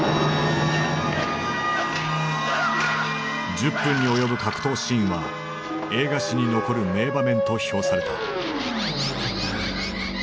１０分に及ぶ格闘シーンは映画史に残る名場面と評された。